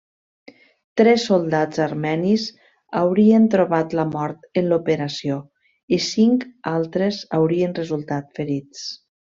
Tres soldats armenis haurien trobat la mort en l'operació i cinc altres haurien resultat ferits.